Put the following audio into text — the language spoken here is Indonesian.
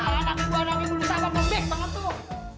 anak anak ibu lu sabar mampik banget lu